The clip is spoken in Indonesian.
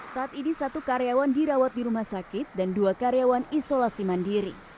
saat ini satu karyawan dirawat di rumah sakit dan dua karyawan isolasi mandiri